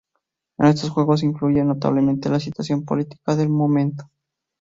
En estos juegos influyó notablemente la situación política del momento.